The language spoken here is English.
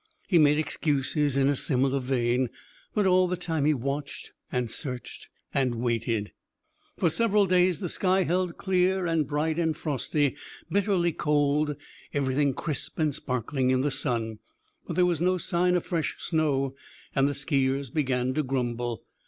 He made excuses in a similar vein; but all the time he watched and searched and waited. For several days the sky held clear and bright and frosty, bitterly cold, everything crisp and sparkling in the sun; but there was no sign of fresh snow, and the ski ers began to grumble.